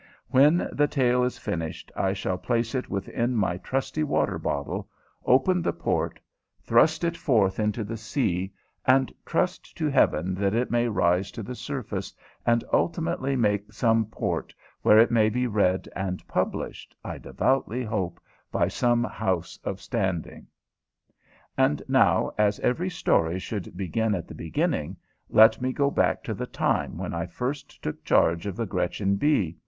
When the tale is finished I shall place it within my trusty water bottle, open the port, thrust it forth into the sea, and trust to Heaven that it may rise to the surface and ultimately make some port where it may be read and published, I devoutly hope, by some house of standing. And now, as every story should begin at the beginning, let me go back to the time when I first took charge of the _Gretchen B.